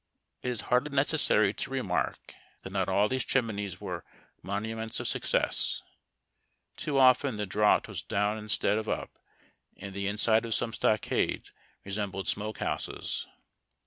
It is hardly necessary to remark that not all these chimneys were mon uments of success. Too often the draught was down instead of up, and the inside of some stockades resembled smoke houses.